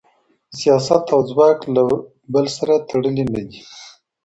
سياست او ځواک له بل سره تړلي نه دي؟